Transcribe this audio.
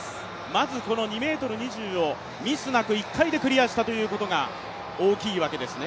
まず２ｍ２０をミスなく１回でクリアしたということが大きいわけですね。